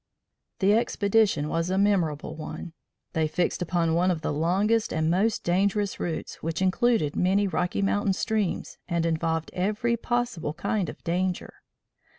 The expedition was a memorable one. They fixed upon one of the longest and most dangerous routes, which included many Rocky Mountain streams and involved every possible kind of danger.